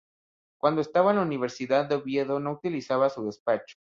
Cuando estaba en la Universidad de Oviedo no utilizaba su despacho.